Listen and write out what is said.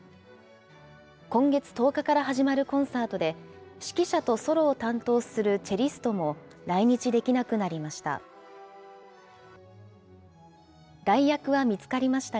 今月１０日から始まるコンサートで、指揮者とソロを担当するチェリストも来日できなくなりました。